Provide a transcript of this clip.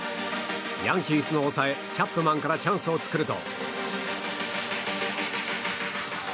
ヤンキースの抑えチャップマンからチャンスを作ると。